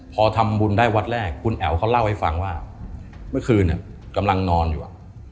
พอทำบุญได้วัดแรกคุณแอ๋วเขาเล่าให้ฟังว่าเมื่อคืนกำลังนอนอยู่